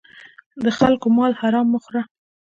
د خلکو مال حرام مه خوره.